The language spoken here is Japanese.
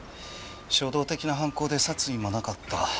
衝動的な犯行で殺意もなかった。